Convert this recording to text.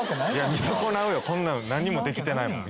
見損なうよこんなの。何もできてないもん。